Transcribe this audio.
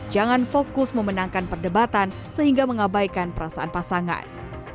jangan fokus memenangkan perdebatan sehingga mengabaikan perasaan pasangan